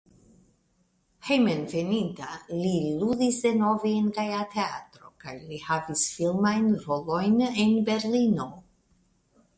Hejmenveninta li ludis denove en Gaja Teatro kaj li havis filmajn rolojn en Berlino.